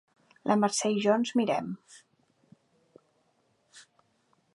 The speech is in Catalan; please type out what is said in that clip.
La Mercè i jo ens mirem.